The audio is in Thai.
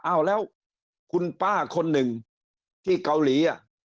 อ้าวแล้วคุณป้าคนหนึ่งที่เกาหลี